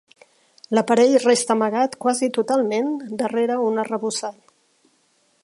L'aparell resta amagat quasi totalment darrere un arrebossat.